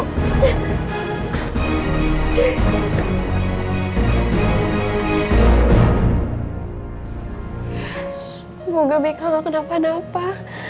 yes semoga bika gak kena pada apa